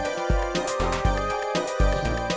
sebenernya papi gak ada